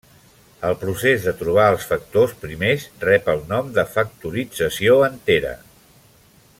El procés de trobar els factors primers rep el nom de factorització entera.